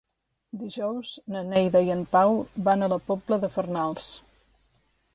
Dijous na Neida i en Pau van a la Pobla de Farnals.